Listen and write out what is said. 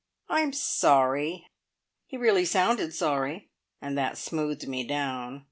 I'm sorry!" He really sounded sorry, and that smoothed me down.